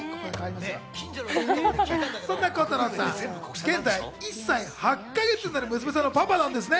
そんな鋼太郎さん、現在、１歳８か月になる娘さんのパパなんです。